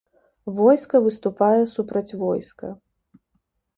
Войска выступае супраць войска.